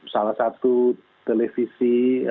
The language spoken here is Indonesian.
salah satu televisi